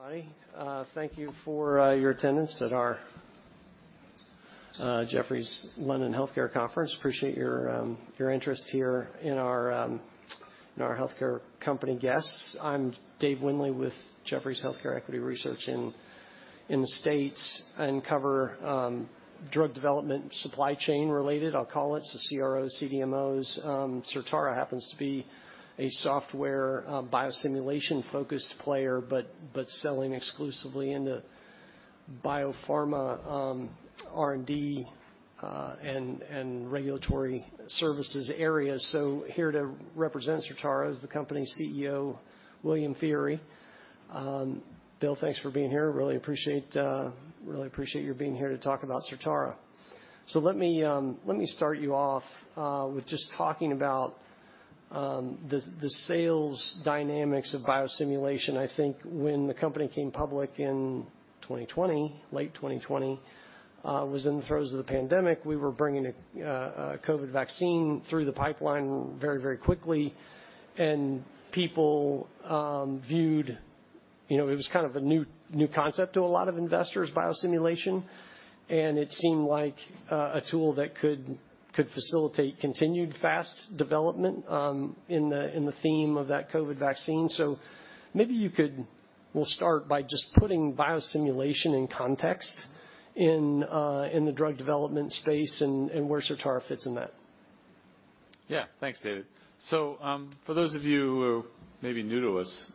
Hi. Thank you for your attendance at our Jefferies London Healthcare Conference. Appreciate your interest here in our healthcare company guests. I'm Dave Windley with Jefferies Healthcare Equity Research in the States. I cover drug development supply chain related, I'll call it, so CROs, CDMOs. Certara happens to be a software biosimulation-focused player, but selling exclusively into biopharma R&D and regulatory services areas. Here to represent Certara is the company's CEO, William Feehery. Bill, thanks for being here. Really appreciate your being here to talk about Certara. Let me start you off with just talking about the sales dynamics of biosimulation. I think when the company came public in 2020, late 2020, was in the throes of the pandemic, we were bringing a COVID vaccine through the pipeline very, very quickly. People viewed, you know, it was kind of a new concept to a lot of investors, biosimulation. It seemed like a tool that could facilitate continued fast development in the theme of that COVID vaccine. We'll start by just putting biosimulation in context in the drug development space and where Certara fits in that. Yeah. Thanks, Dave. For those of you who are maybe new to us,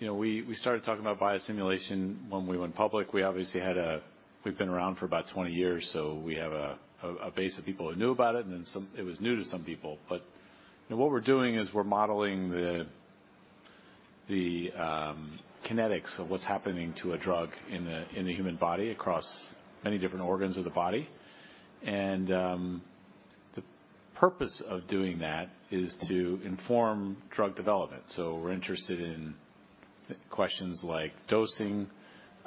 you know, we started talking about biosimulation when we went public. We've been around for about 20 years, so we have a base of people that knew about it, and then some, it was new to some people. You know, what we're doing is we're modeling the kinetics of what's happening to a drug in the human body across many different organs of the body. The purpose of doing that is to inform drug development. We're interested in questions like dosing.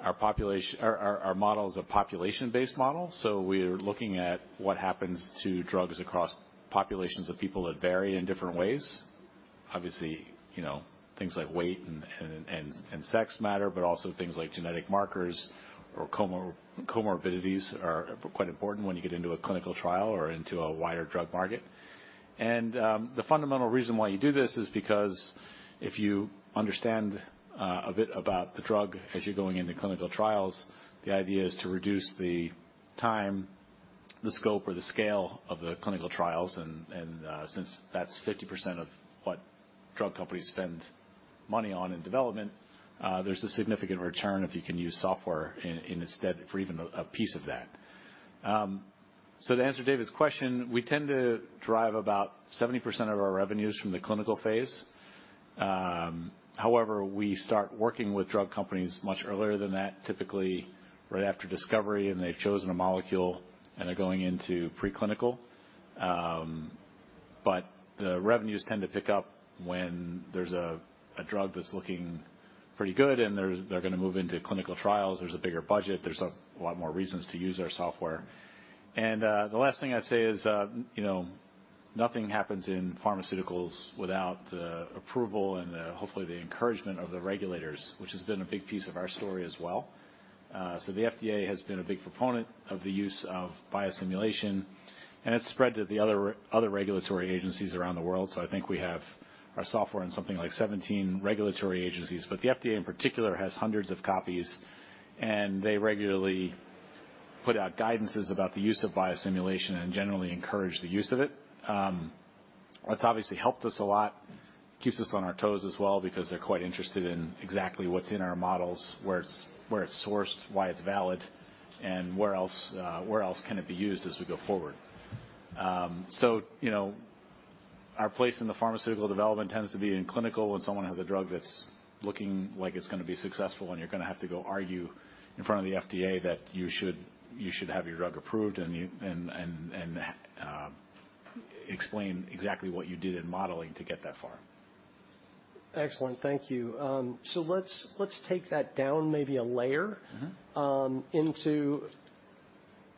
Our model is a population-based model, so we're looking at what happens to drugs across populations of people that vary in different ways. Obviously, you know, things like weight and sex matter, but also things like genetic markers or comorbidities are quite important when you get into a clinical trial or into a wider drug market. The fundamental reason why you do this is because if you understand a bit about the drug as you're going into clinical trials, the idea is to reduce the time, the scope, or the scale of the clinical trials. Since that's 50% of what drug companies spend money on in development, there's a significant return if you can use software instead for even a piece of that. To answer Dave's question, we tend to drive about 70% of our revenues from the clinical phase. However, we start working with drug companies much earlier than that, typically right after discovery, and they've chosen a molecule, and they're going into preclinical. The revenues tend to pick up when there's a drug that's looking pretty good and they're gonna move into clinical trials. There's a bigger budget. There's a lot more reasons to use our software. The last thing I'd say is, you know, nothing happens in pharmaceuticals without the approval and the, hopefully, the encouragement of the regulators, which has been a big piece of our story as well. The FDA has been a big proponent of the use of biosimulation, and it's spread to the other regulatory agencies around the world. I think we have our software in something like 17 regulatory agencies. The FDA in particular has hundreds of copies, and they regularly put out guidances about the use of biosimulation and generally encourage the use of it. It's obviously helped us a lot, keeps us on our toes as well because they're quite interested in exactly what's in our models, where it's sourced, why it's valid, and where else can it be used as we go forward. You know, our place in the pharmaceutical development tends to be in clinical when someone has a drug that's looking like it's gonna be successful and you're gonna have to go argue in front of the FDA that you should have your drug approved and explain exactly what you did in modeling to get that far. Excellent. Thank you. Let's take that down maybe a layer. Mm-hmm Into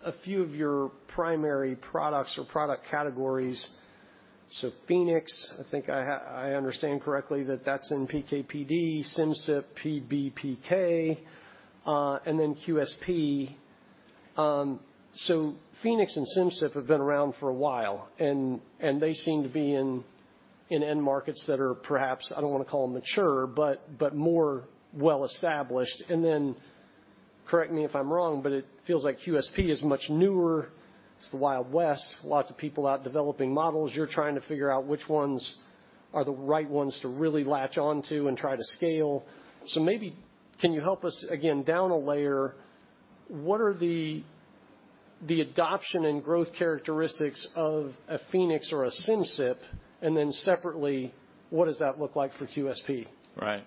a few of your primary products or product categories. Phoenix, I think I understand correctly that that's in PK/PD, Simcyp, PBPK, and then QSP. Phoenix and Simcyp have been around for a while, and they seem to be in end markets that are perhaps, I don't wanna call them mature, but more well-established. Correct me if I'm wrong, but it feels like QSP is much newer. It's the Wild West. Lots of people out developing models. You're trying to figure out which ones are the right ones to really latch on to and try to scale. Maybe can you help us, again, down a layer, what are the adoption and growth characteristics of a Phoenix or a Simcyp? Separately, what does that look like for QSP? Right.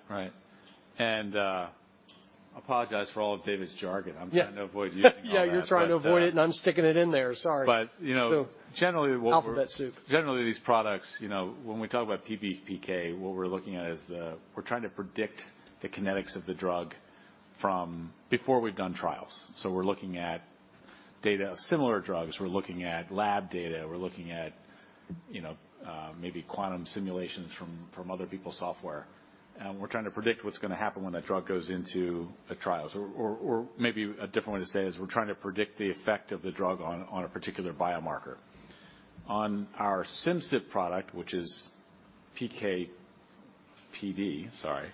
I apologize for all of Dave's jargon. Yeah. I'm trying to avoid using all that. Yeah, you're trying to avoid it, and I'm sticking it in there. Sorry. You know. Alphabet soup. Generally these products, you know, when we talk about PBPK, what we're looking at is we're trying to predict the kinetics of the drug from before we've done trials. We're looking at data of similar drugs. We're looking at lab data. We're looking at, you know, maybe quantum simulations from other people's software. We're trying to predict what's gonna happen when that drug goes into the trials. Maybe a different way to say it is we're trying to predict the effect of the drug on a particular biomarker. On our Simcyp product, which is PK/PD, sorry,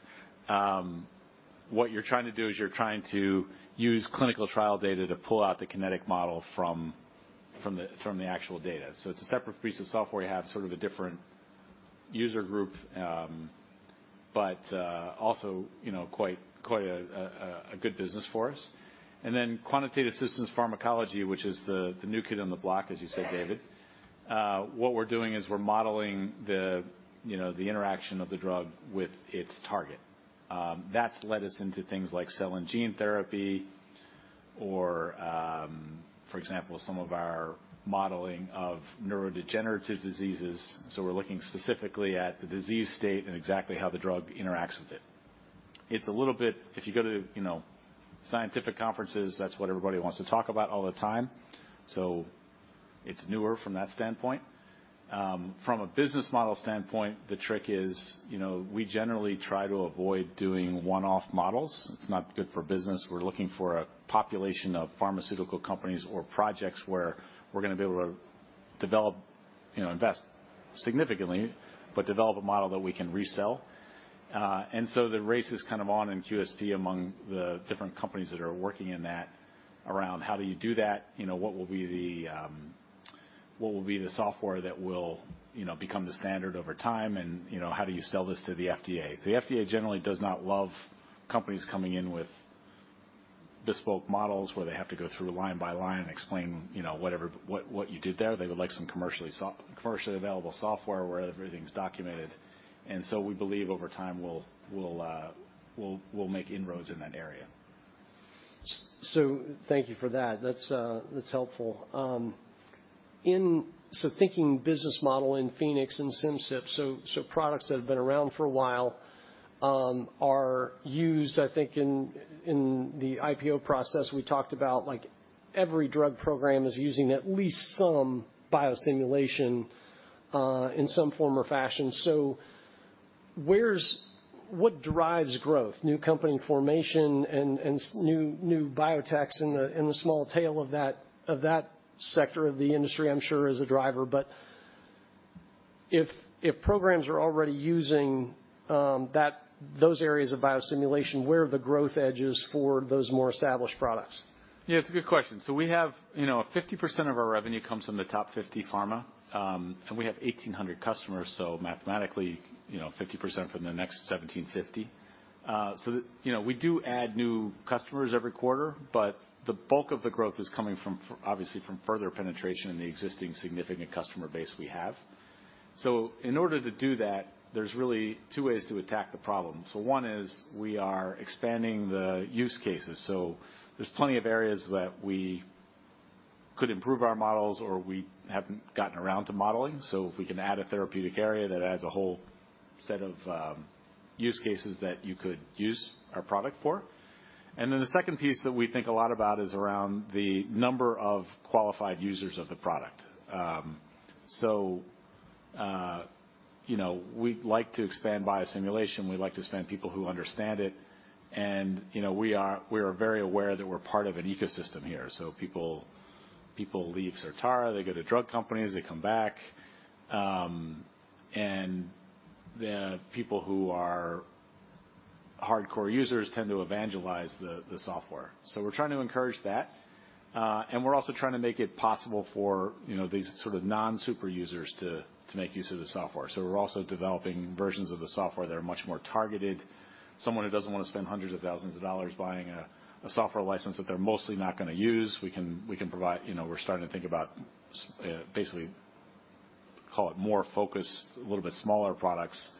what you're trying to do is you're trying to use clinical trial data to pull out the kinetic model from the actual data. It's a separate piece of software. You have sort of a different user group, but also, you know, quite a good business for us. Quantitative systems pharmacology, which is the new kid on the block, as you say, Dave. What we're doing is we're modeling the, you know, the interaction of the drug with its target. That's led us into things like cell and gene therapy or, for example, some of our modeling of neurodegenerative diseases. We're looking specifically at the disease state and exactly how the drug interacts with it. It's a little bit. If you go to, you know, scientific conferences, that's what everybody wants to talk about all the time, so it's newer from that standpoint. From a business model standpoint, the trick is, you know, we generally try to avoid doing one-off models. It's not good for business. We're looking for a population of pharmaceutical companies or projects where we're gonna be able to develop, you know, invest significantly, but develop a model that we can resell. The race is kind of on in QSP among the different companies that are working in that around how do you do that? You know, what will be the software that will, you know, become the standard over time? You know, how do you sell this to the FDA? The FDA generally does not love companies coming in with bespoke models where they have to go through line by line and explain, you know, whatever, what you did there. They would like some commercially available software where everything's documented. We believe over time, we'll make inroads in that area. So thank you for that. That's helpful. Thinking business model in Phoenix and Simcyp, products that have been around for a while are used, I think, in the IPO process, we talked about, like, every drug program is using at least some biosimulation in some form or fashion. What drives growth, new company formation and new biotechs in the small tail of that sector of the industry, I'm sure is a driver. But if programs are already using that, those areas of biosimulation, where are the growth edges for those more established products? Yeah, it's a good question. We have, you know, 50% of our revenue comes from the top 50 pharma, and we have 1,800 customers, so mathematically, you know, 50% from the next 1,750. The, you know, we do add new customers every quarter, but the bulk of the growth is coming from, obviously from further penetration in the existing significant customer base we have. In order to do that, there's really two ways to attack the problem. One is we are expanding the use cases. There's plenty of areas that we could improve our models or we haven't gotten around to modeling. If we can add a therapeutic area, that adds a whole set of, use cases that you could use our product for. The second piece that we think a lot about is around the number of qualified users of the product. You know, we'd like to expand biosimulation. We'd like to expand people who understand it. You know, we are very aware that we're part of an ecosystem here. people leave Certara, they go to drug companies, they come back. The people who are hardcore users tend to evangelize the software. we're trying to encourage that. we're also trying to make it possible for, you know, these sort of non-super users to make use of the software. we're also developing versions of the software that are much more targeted. Someone who doesn't wanna spend hundreds of thousands of dollars buying a software license that they're mostly not gonna use, we can provide. You know, we're starting to think about basically, call it more focused, a little bit smaller products,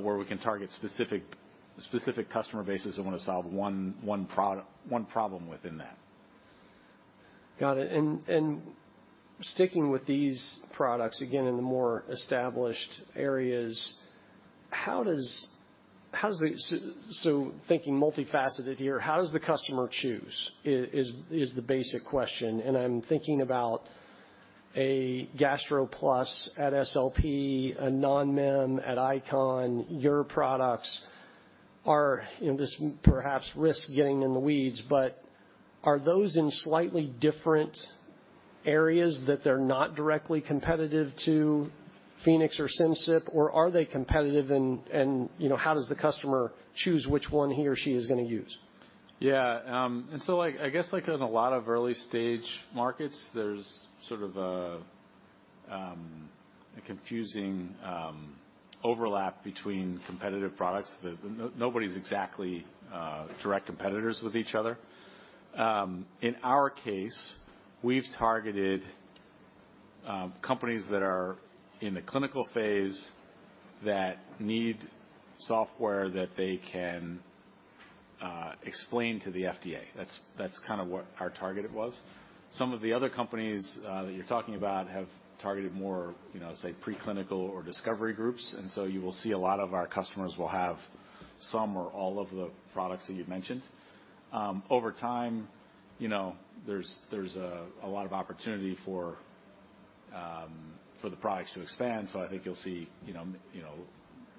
where we can target specific customer bases that wanna solve one problem within that. Got it. Sticking with these products, again, in the more established areas, how does the customer choose? So thinking multifaceted here, is the basic question. I'm thinking about a GastroPlus at SLP, a NONMEM at ICON. Your products are, and this perhaps risks getting in the weeds, but are those in slightly different areas that they're not directly competitive to Phoenix or Simcyp? Or are they competitive and, you know, how does the customer choose which one he or she is gonna use? Yeah. Like, I guess, like, in a lot of early-stage markets, there's sort of a confusing overlap between competitive products that nobody's exactly direct competitors with each other. In our case, we've targeted companies that are in the clinical phase that need software that they can explain to the FDA. That's kinda what our target was. Some of the other companies that you're talking about have targeted more, you know, say, preclinical or discovery groups. You will see a lot of our customers will have some or all of the products that you've mentioned. Over time, you know, there's a lot of opportunity for the products to expand. I think you'll see, you know,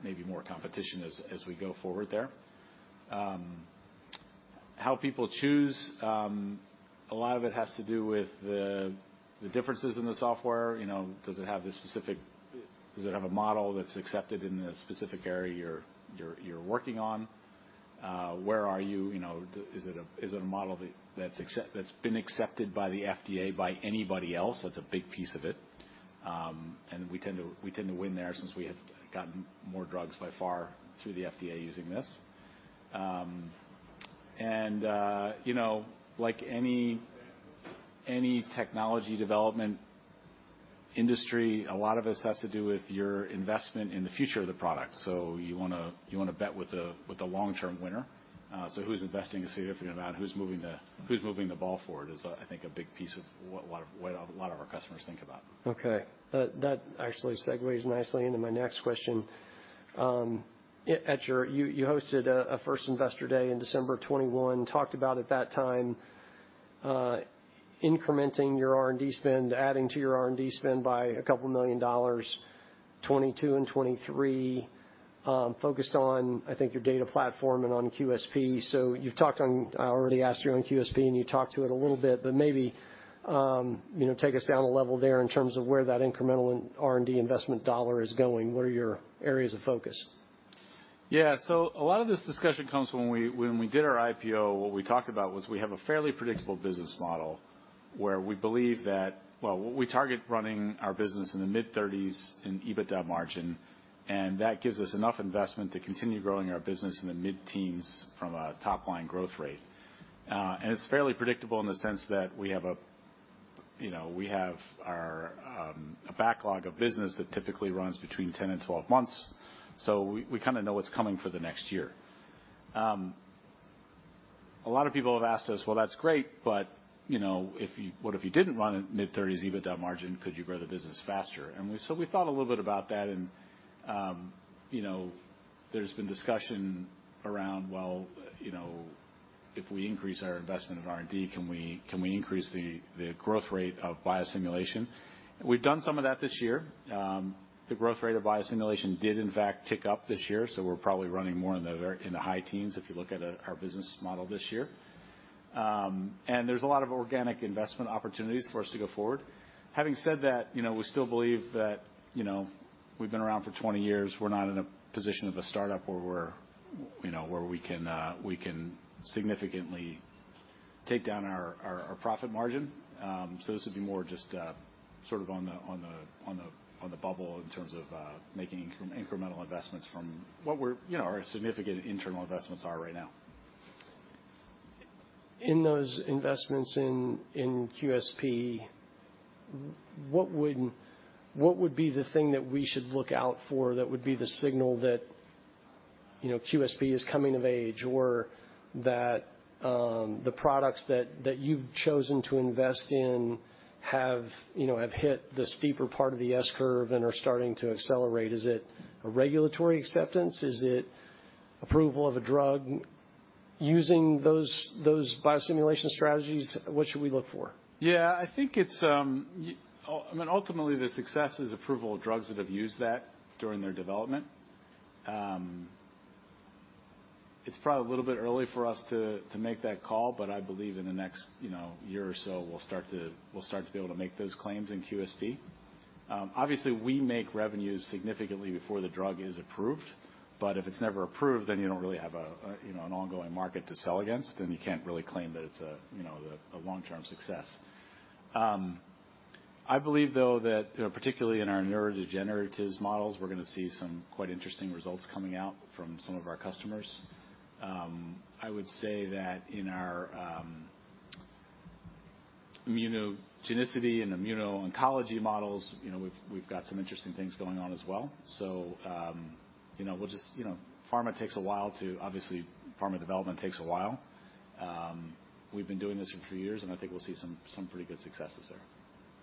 maybe more competition as we go forward there. How people choose, a lot of it has to do with the differences in the software. You know, does it have a model that's accepted in the specific area you're working on? Where are you? You know, is it a model that's been accepted by the FDA, by anybody else? That's a big piece of it. We tend to win there since we have gotten more drugs by far through the FDA using this. You know, like any technology development industry, a lot of this has to do with your investment in the future of the product. You wanna bet with the long-term winner. Who's investing a significant amount, who's moving the ball forward is, I think, a big piece of what a lot of our customers think about. Okay. That actually segues nicely into my next question. You hosted a first investor day in December of 2021. Talked about at that time, incrementing your R&D spend, adding to your R&D spend by $2 million, 2022 and 2023, focused on, I think, your data platform and on QSP. I already asked you on QSP, and you talked to it a little bit, but maybe, you know, take us down a level there in terms of where that incremental R&D investment dollar is going. What are your areas of focus? Yeah. A lot of this discussion comes when we did our IPO, what we talked about was we have a fairly predictable business model where we believe that. Well, we target running our business in the mid-30s% EBITDA margin, and that gives us enough investment to continue growing our business in the mid-teens% from a top-line growth rate. And it's fairly predictable in the sense that we have, you know, our backlog of business that typically runs between 10 and 12 months, so we kinda know what's coming for the next year. A lot of people have asked us, "Well, that's great, but, you know, what if you didn't run at mid-30s% EBITDA margin? Could you grow the business faster?" We thought a little bit about that and, you know, there's been discussion around, you know, if we increase our investment in R&D, can we increase the growth rate of biosimulation? We've done some of that this year. The growth rate of biosimulation did in fact tick up this year, so we're probably running more in the high teens if you look at our business model this year. There's a lot of organic investment opportunities for us to go forward. Having said that, you know, we still believe that, you know, we've been around for 20 years. We're not in a position of a startup where we can significantly take down our profit margin. This would be more just sort of on the bubble in terms of making incremental investments from what you know, our significant internal investments are right now. In those investments in QSP, what would be the thing that we should look out for that would be the signal that you know QSP is coming of age or that the products that you've chosen to invest in have you know hit the steeper part of the S curve and are starting to accelerate? Is it a regulatory acceptance? Is it approval of a drug using those biosimulation strategies? What should we look for? Yeah. I think it's, I mean, ultimately, the success is approval of drugs that have used that during their development. It's probably a little bit early for us to make that call, but I believe in the next, you know, year or so, we'll start to be able to make those claims in QSP. Obviously, we make revenues significantly before the drug is approved, but if it's never approved, then you don't really have a, you know, an ongoing market to sell against, and you can't really claim that it's a, you know, a long-term success. I believe, though, that, you know, particularly in our neurodegenerative models, we're gonna see some quite interesting results coming out from some of our customers. I would say that in our immunogenicity and immuno-oncology models, you know, we've got some interesting things going on as well. Pharma takes a while, obviously. Pharma development takes a while. We've been doing this for a few years, and I think we'll see some pretty good successes there.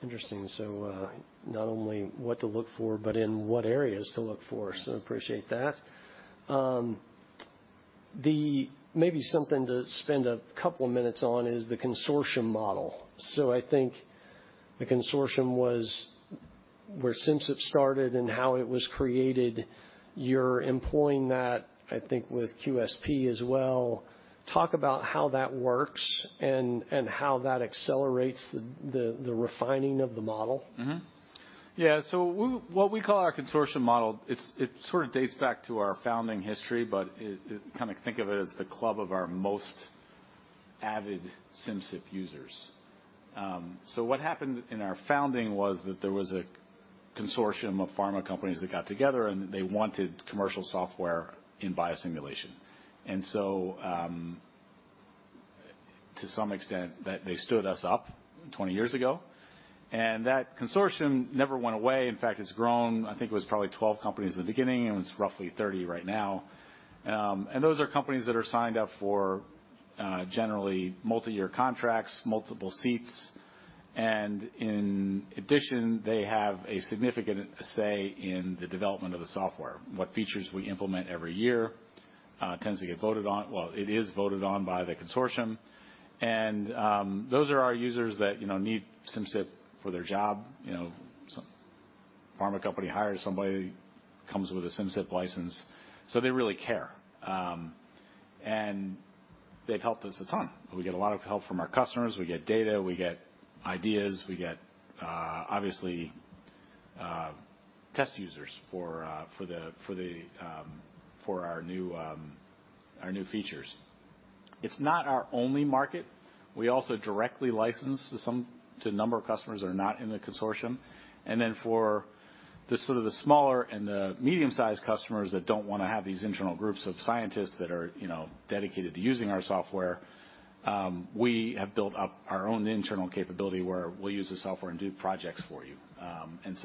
Interesting. Not only what to look for, but in what areas to look for. Appreciate that. Maybe something to spend a couple minutes on is the consortium model. I think the consortium was where Simcyp started and how it was created. You're employing that, I think, with QSP as well. Talk about how that works and how that accelerates the refining of the model. What we call our consortium model, it sort of dates back to our founding history, but it kinda think of it as the club of our most avid Simcyp users. What happened in our founding was that there was a consortium of pharma companies that got together, and they wanted commercial software in biosimulation. To some extent, that they stood us up 20 years ago, and that consortium never went away. In fact, it's grown. I think it was probably 12 companies in the beginning, and it's roughly 30 right now. Those are companies that are signed up for generally multi-year contracts, multiple seats, and in addition, they have a significant say in the development of the software, what features we implement every year. Tends to get voted on. It is voted on by the consortium. Those are our users that, you know, need Simcyp for their job. You know, some pharma company hires somebody, comes with a Simcyp license, so they really care. They've helped us a ton. We get a lot of help from our customers. We get data, we get ideas, we get, obviously, test users for the for our new features. It's not our only market. We also directly license to some to a number of customers that are not in the consortium. For the sort of the smaller and the medium-sized customers that don't wanna have these internal groups of scientists that are, you know, dedicated to using our software, we have built up our own internal capability where we'll use the software and do projects for you.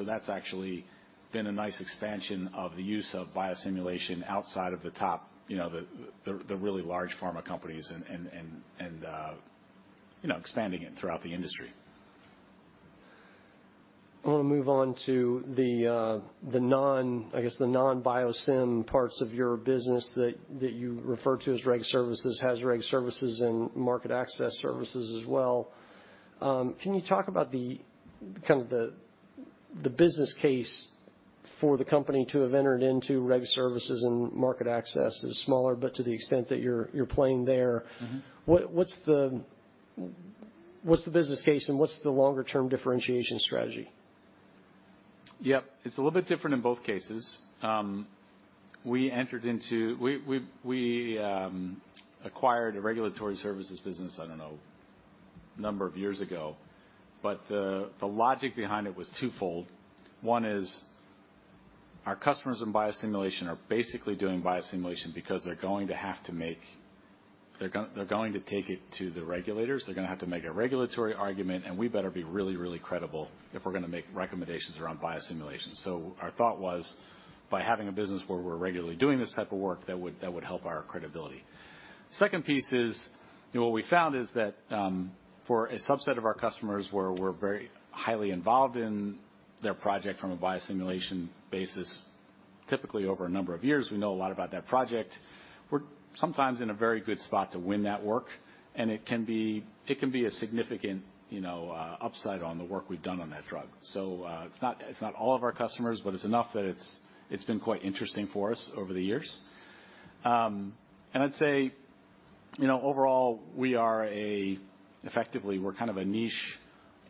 That's actually been a nice expansion of the use of biosimulation outside of the top, you know, the really large pharma companies and, you know, expanding it throughout the industry. I wanna move on to the non-biosim parts of your business that you refer to as Regulatory services and market access services as well. Can you talk about the business case for the company to have entered into Regulatory services and market access? It's smaller, but to the extent that you're playing there. Mm-hmm. What's the business case, and what's the longer-term differentiation strategy? Yep. It's a little bit different in both cases. We acquired a Regulatory Services business, I don't know, a number of years ago, but the logic behind it was twofold. One is our customers in biosimulation are basically doing biosimulation because they're going to take it to the regulators. They're gonna have to make a regulatory argument, and we better be really credible if we're gonna make recommendations around biosimulation. Our thought was, by having a business where we're regularly doing this type of work, that would help our credibility. Second piece is, you know, what we found is that, for a subset of our customers where we're very highly involved in their project from a biosimulation basis, typically over a number of years, we know a lot about that project. We're sometimes in a very good spot to win that work, and it can be a significant, you know, upside on the work we've done on that drug. It's not all of our customers, but it's enough that it's been quite interesting for us over the years. I'd say, you know, overall, we are a... Effectively, we're kind of a niche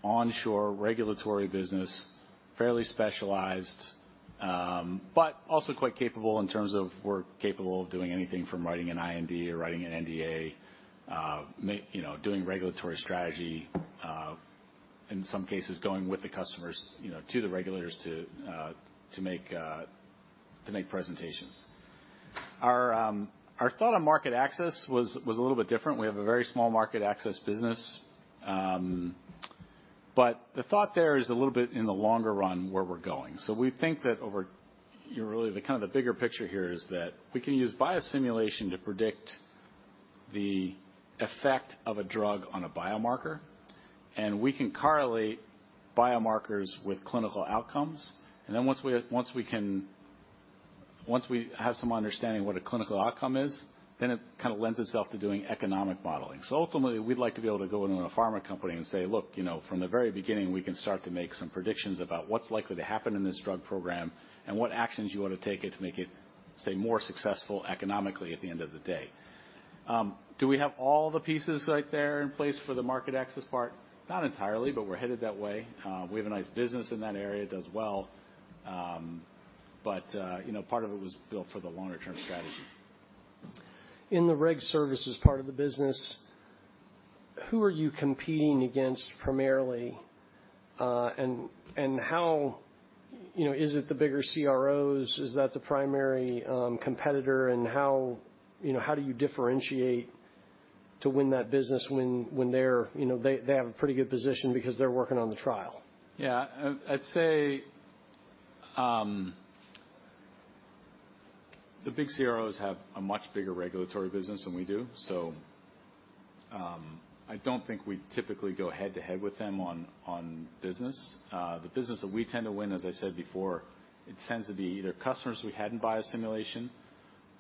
onshore regulatory business, fairly specialized, but also quite capable in terms of we're capable of doing anything from writing an IND or writing an NDA, you know, doing regulatory strategy, in some cases going with the customers, you know, to the regulators to make presentations. Our thought on market access was a little bit different. We have a very small market access business. But the thought there is a little bit in the longer run where we're going. We think that over, you know, really the kind of the bigger picture here is that we can use biosimulation to predict the effect of a drug on a biomarker, and we can correlate biomarkers with clinical outcomes. Then once we have some understanding what a clinical outcome is, then it kinda lends itself to doing economic modeling. So ultimately, we'd like to be able to go into a pharma company and say, "Look, you know, from the very beginning, we can start to make some predictions about what's likely to happen in this drug program and what actions you ought to take it to make it, say, more successful economically at the end of the day." Do we have all the pieces right there in place for the market access part? Not entirely, but we're headed that way. We have a nice business in that area. It does well. But you know, part of it was built for the longer-term strategy. In the Regulatory services part of the business, who are you competing against primarily? How, you know, is it the bigger CROs? Is that the primary competitor, and how, you know, how do you differentiate to win that business when, you know, they have a pretty good position because they're working on the trial? Yeah. I'd say the big CROs have a much bigger regulatory business than we do. I don't think we typically go head-to-head with them on business. The business that we tend to win, as I said before, it tends to be either customers we had in biosimulation,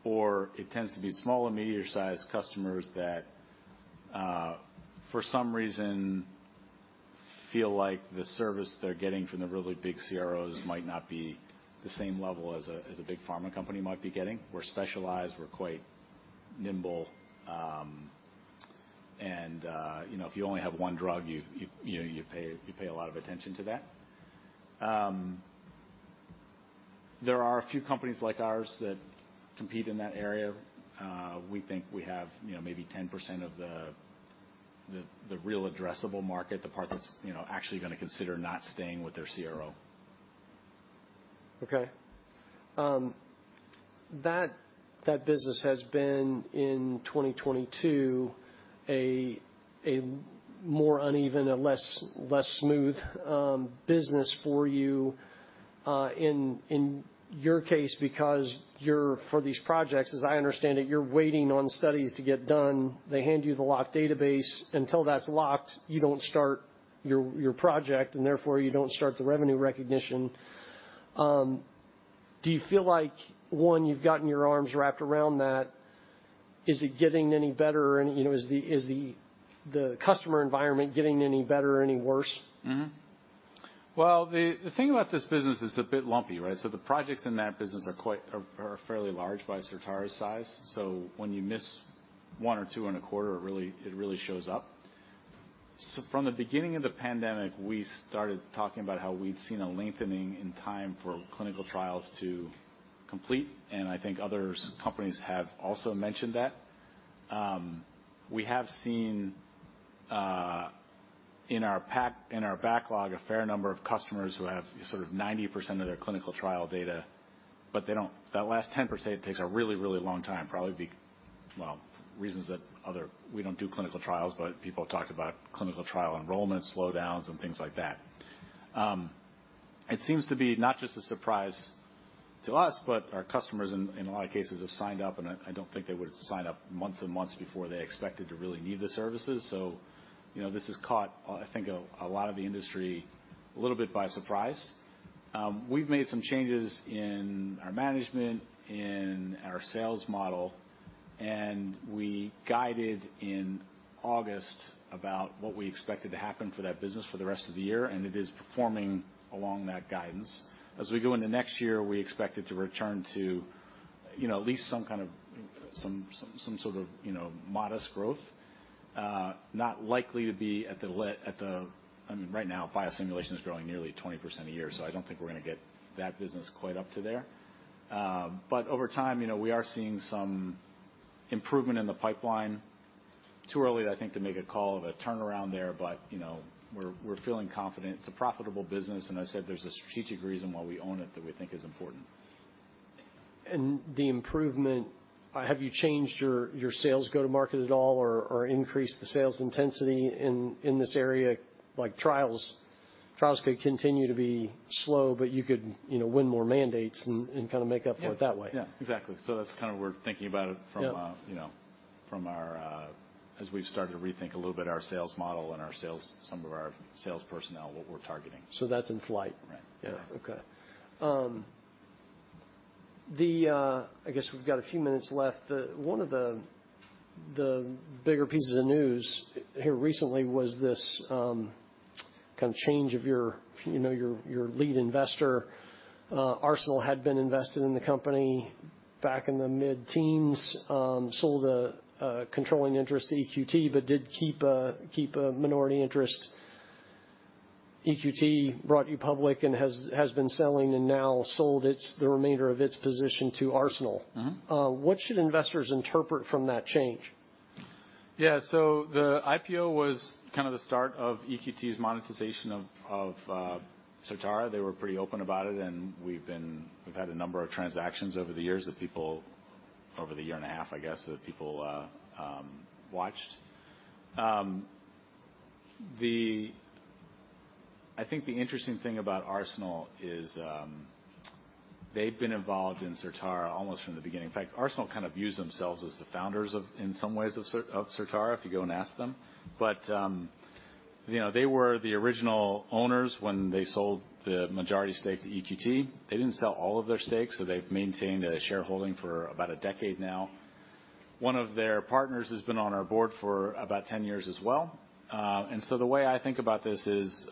or it tends to be small or medium-sized customers that for some reason feel like the service they're getting from the really big CROs might not be the same level as a big pharma company might be getting. We're specialized. We're quite nimble. You know, if you only have one drug, you know, you pay a lot of attention to that. There are a few companies like ours that compete in that area. We think we have, you know, maybe 10% of the real addressable market, the part that's, you know, actually gonna consider not staying with their CRO. Okay. That business has been, in 2022, a more uneven, less smooth business for you, in your case because you're, for these projects, as I understand it, you're waiting on studies to get done. They hand you the locked database. Until that's locked, you don't start your project, and therefore, you don't start the revenue recognition. Do you feel like, one, you've gotten your arms wrapped around that? Is it getting any better? You know, is the customer environment getting any better or any worse? Well, the thing about this business is it's a bit lumpy, right? The projects in that business are fairly large by Certara's size. When you miss one or two in a quarter, it really shows up. From the beginning of the pandemic, we started talking about how we'd seen a lengthening in time for clinical trials to complete, and I think other S&P companies have also mentioned that. We have seen in our backlog a fair number of customers who have sort of 90% of their clinical trial data, but they don't. That last 10% takes a really long time, probably. Well, reasons that we don't do clinical trials, but people have talked about clinical trial enrollment slowdowns and things like that. It seems to be not just a surprise to us, but our customers in a lot of cases have signed up, and I don't think they would've signed up months and months before they expected to really need the services. You know, this has caught I think a lot of the industry a little bit by surprise. We've made some changes in our management, in our sales model, and we guided in August about what we expected to happen for that business for the rest of the year, and it is performing along that guidance. As we go into next year, we expect it to return to you know at least some kind of some sort of you know modest growth. I mean, right now, biosimulation is growing nearly 20% a year, so I don't think we're gonna get that business quite up to there. Over time, you know, we are seeing some improvement in the pipeline. Too early, I think, to make a call of a turnaround there, you know, we're feeling confident. It's a profitable business, and I said there's a strategic reason why we own it that we think is important. The improvement, have you changed your sales go-to-market at all or increased the sales intensity in this area? Like, trials could continue to be slow, but you could, you know, win more mandates and kinda make up for it that way. Yeah, yeah. Exactly. That's kind of where we're thinking about it from a- Yeah. You know, as we've started to rethink a little bit our sales model and our sales, some of our sales personnel, what we're targeting. That's in flight? Right. Yeah. Okay. I guess we've got a few minutes left. One of the bigger pieces of news here recently was this kind of change of your, you know, your lead investor. Arsenal had been invested in the company back in the mid-teens, sold a controlling interest to EQT but did keep a minority interest. EQT brought you public and has been selling and now sold the remainder of its position to Arsenal. Mm-hmm. What should investors interpret from that change? Yeah. The IPO was kind of the start of EQT's monetization of Certara. They were pretty open about it, and we've had a number of transactions over the years that people over the year and a half, I guess, that people watched. I think the interesting thing about Arsenal is they've been involved in Certara almost from the beginning. In fact, Arsenal kind of views themselves as the founders of, in some ways, of Certara if you go and ask them. You know, they were the original owners when they sold the majority stake to EQT. They didn't sell all of their stakes, so they've maintained a shareholding for about a decade now. One of their partners has been on our board for about 10 years as well. The way I think about this is,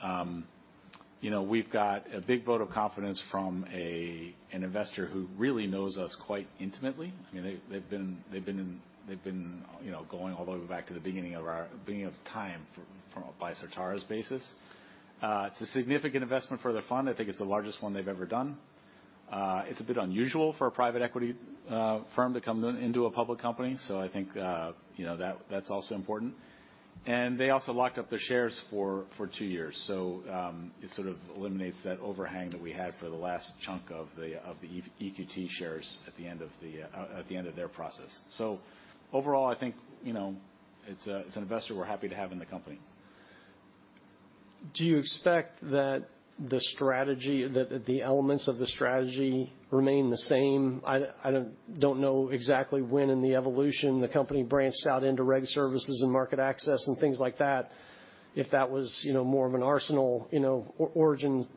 you know, we've got a big vote of confidence from an investor who really knows us quite intimately. I mean, they've been, you know, going all the way back to the beginning of time from Certara's basis. It's a significant investment for their fund. I think it's the largest one they've ever done. It's a bit unusual for a private equity firm to come into a public company, so I think, you know, that that's also important. They also locked up their shares for two years. It sort of eliminates that overhang that we had for the last chunk of the EQT shares at the end of their process. Overall, I think, you know, it's an investor we're happy to have in the company. Do you expect that the strategy, that the elements of the strategy remain the same? I don't know exactly when in the evolution the company branched out into reg services and market access and things like that, if that was, you know, more of an Arsenal, you know, origin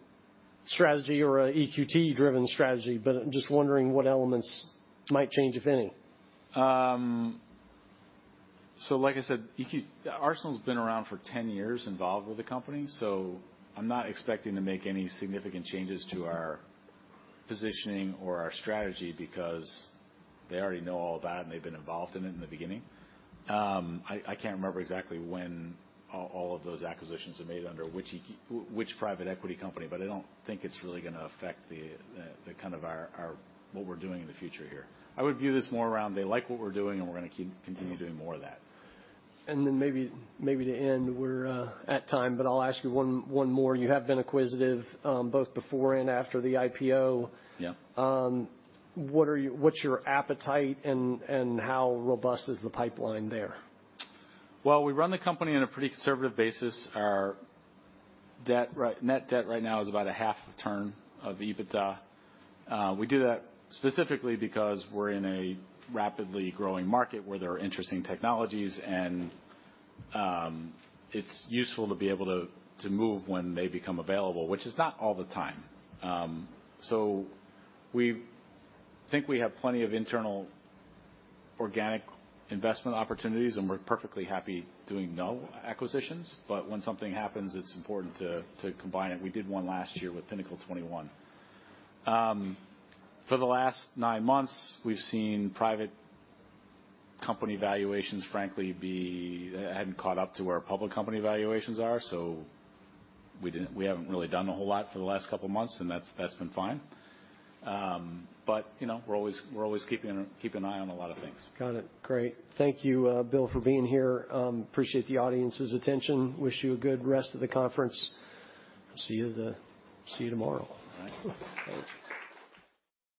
strategy or a EQT-driven strategy, but I'm just wondering what elements might change, if any. Like I said, Arsenal's been around for 10 years involved with the company, so I'm not expecting to make any significant changes to our positioning or our strategy because they already know all that, and they've been involved in it in the beginning. I can't remember exactly when all of those acquisitions were made under which EQT, which private equity company, but I don't think it's really gonna affect the kind of what we're doing in the future here. I would view this more around they like what we're doing, and we're gonna continue doing more of that. Maybe to end, we're at time, but I'll ask you one more. You have been acquisitive, both before and after the IPO. Yeah. What's your appetite and how robust is the pipeline there? Well, we run the company on a pretty conservative basis. Our net debt right now is about a half turn of EBITDA. We do that specifically because we're in a rapidly growing market where there are interesting technologies and it's useful to be able to move when they become available, which is not all the time. We think we have plenty of internal organic investment opportunities, and we're perfectly happy doing no acquisitions. When something happens, it's important to combine it. We did one last year with Pinnacle 21. For the last nine months, we've seen private company valuations, frankly, hadn't caught up to where our public company valuations are, so we haven't really done a whole lot for the last couple months, and that's been fine. You know, we're always keeping an eye on a lot of things. Got it. Great. Thank you, Bill, for being here. Appreciate the audience's attention. Wish you a good rest of the conference. See you tomorrow. All right. Thanks.